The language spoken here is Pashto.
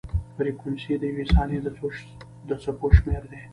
فریکونسي د یوې ثانیې د څپو شمېر دی.